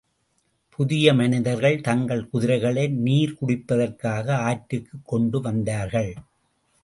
புதிய மனிதர்கள் தங்கள் குதிரைகளை நீர் குடிப்பதற்காக ஆற்றுக்குக் கொண்டு வந்தார்கள்.